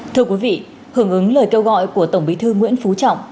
thưa quý vị hưởng ứng lời kêu gọi của tổng bí thư nguyễn phú trọng